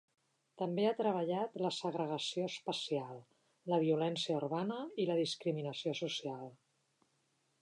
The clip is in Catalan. També ha treballat la segregació espacial, la violència urbana i la discriminació social.